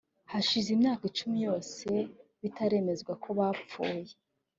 Hashize imyaka icumi yose bitaremezwa ko bapfuye